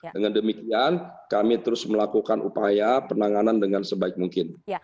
dengan demikian kami terus melakukan upaya penanganan dengan sebaik mungkin